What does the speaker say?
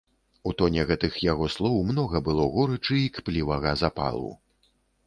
У тоне гэтых яго слоў многа было горычы і кплівага запалу.